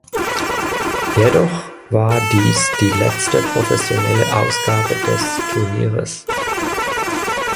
Jedoch war dies die letzte professionelle Ausgabe des Turnieres.